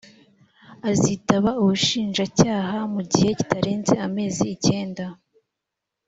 azitaba ubushinjacyaha mu gihe kitarenze amezi icyenda